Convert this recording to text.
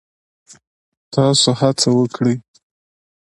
تاسو هڅه وکړئ